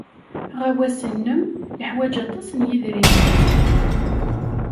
Aɣawas-nnem yeḥwaj aṭas n yedrimen.